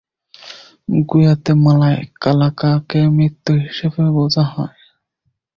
গুয়াতেমালায়, "কালাকা"কে "মৃত্যু" হিসেবে বোঝা হয়।